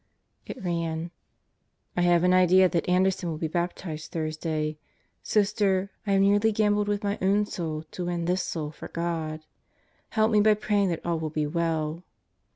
It ran: I have an idea that Anderson will be baptized Thursday. Sister, I have nearly gambled with my own soul to win this soul for God. Help me by praying that all will be well.